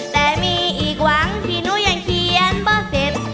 แต่มีอีกหวังที่หนูยังเขียนเพราะเสร็จ